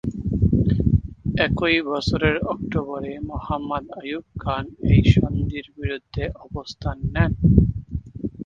একই বছরের অক্টোবরে মুহাম্মদ আইয়ুব খান এই সন্ধির বিরুদ্ধে অবস্থান নেন।